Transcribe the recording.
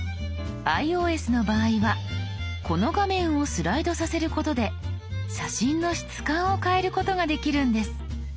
ｉＯＳの場合はこの画面をスライドさせることで写真の質感を変えることができるんです。